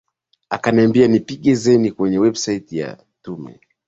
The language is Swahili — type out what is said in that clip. akaniambia ni pige zain kwenye website ya tume